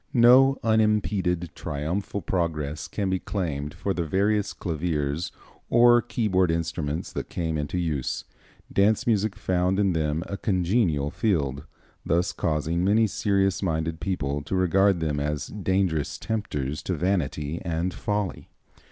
No unimped triumphal progress can be claimed for the various claviers or keyboard instruments that came into use. Dance music found in them a congenial field, thus causing many serious minded people to regard them as dangerous tempters to vanity and folly.